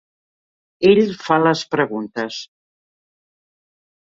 Ell fa les preguntes.